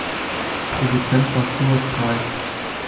Produzent war Stuart Price.